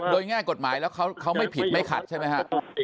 โดยแง่กฎหมายแล้วเขาไม่ผิดไม่ขัดใช่ไหมฮะ